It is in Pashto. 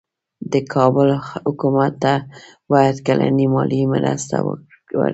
د کابل حکومت ته باید کلنۍ مالي مرسته ورکړي.